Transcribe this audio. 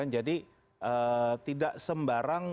jadi tidak sembarang